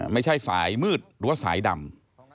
ไม่ใช่สายมืดหรือว่าสายดำ